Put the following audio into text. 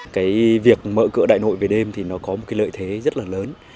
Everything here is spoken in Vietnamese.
cái việc mở cửa đại nội về đêm thì nó có một cái lợi thế rất là lớn